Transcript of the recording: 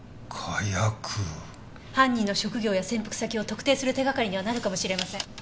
犯人の職業や潜伏先を特定する手がかりにはなるかもしれません。